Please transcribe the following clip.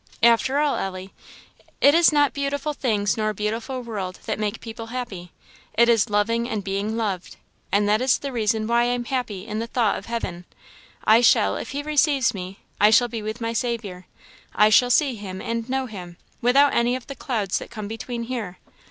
"After all, Ellie, it is not beautiful things nor a beautiful world that make people happy it is loving and being loved; and that is the reason why I am happy in the thought of heaven. I shall, if he receives me, I shall be with my Saviour; I shall see him and know him, without any of the clouds that come between here.